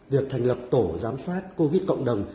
việc thành lập tổ giám sát covid cộng đồng